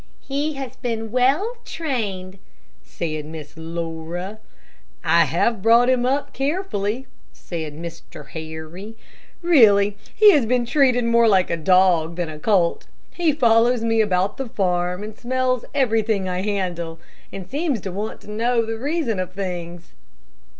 "He has been well trained," said Miss Laura. "I have brought him up carefully," said Mr. Harry. "Really, he has been treated more like a dog than a colt. He follows me about the farm and smells everything I handle, and seems to want to know the reason of things.